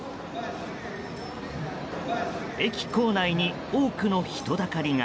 駅構内に多くの人だかりが。